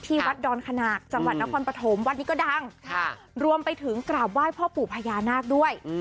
วัดดอนขนาดจังหวัดนครปฐมวัดนี้ก็ดังรวมไปถึงกราบไหว้พ่อปู่พญานาคด้วย